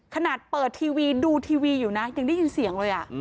ขนาดเปิดทีวีดูทีวีอยู่นะยังได้ยินเสียงเลย